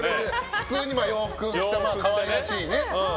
普通に洋服着た可愛らしいね。